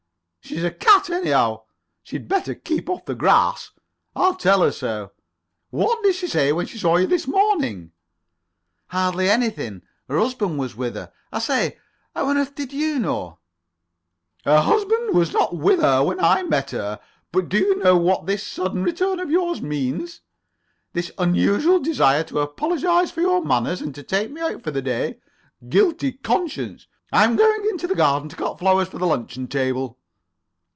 "She's a cat, anyhow. She'd better keep off the grass, and I'll tell her so. What did she say when she saw you this morning?" "Hardly anything. Her husband was with her. I say, how on earth did you know?" "Her husband was not with her when I met her. But do you know what this sudden return of yours means? This unusual desire to apologize for your manners, and to take me out for the day? Guilty conscience. I'm going into the garden to cut flowers for the luncheon table."